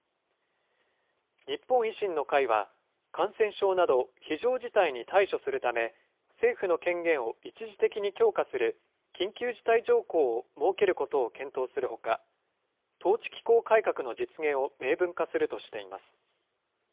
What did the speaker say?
日本維新の会は、感染症など非常事態に対処するため、政府の権限を一時的に強化する、緊急事態条項を設けることを検討するほか、統治機構改革の実現を明文化するとしています。